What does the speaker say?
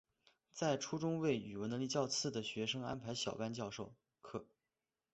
在初中为语文能力较次的学生安排小班授课。